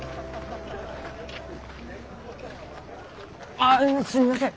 あっすみません！